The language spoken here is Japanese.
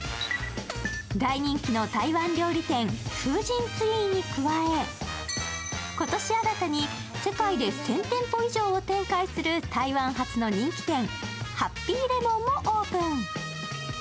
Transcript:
大人気の台湾料理店・フージンツリーに加え今年新たに世界で１０００店舗以上を展開する台湾発の人気店、ＨＡＰＰＹＬＥＭＯＮもオープン。